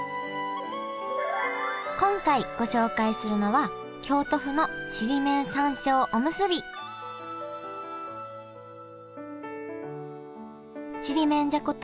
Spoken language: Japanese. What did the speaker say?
今回ご紹介するのはちりめんじゃこと